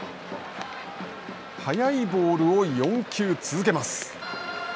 速いボールを４球続けます。